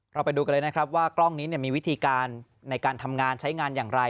เราไปดูกันเลยนะครับว่ากล้องนี้มีวิธีการในการทำงานใช้งานอย่างไร